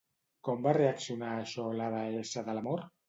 Com va reaccionar a això la deessa de l'amor?